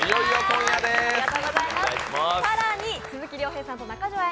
更に、鈴木亮平さんと中条あ